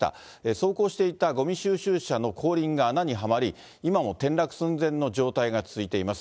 走行していたごみ収集車の後輪が穴にはまり、今も転落寸前の状態が続いています。